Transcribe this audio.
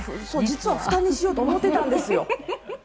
実は蓋にしようと思ってたんですよ。